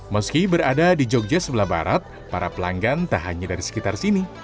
meski berada di jogja sebelah barat para pelanggan tak hanya dari sekitar sini